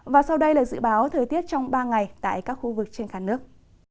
và sau đây là dự báo thời tiết trong ba ngày tại các khu vực trên cả nước